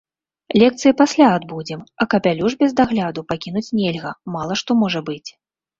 Лекцыі пасля адбудзем, а капялюш без дагляду пакінуць нельга, мала што можа быць.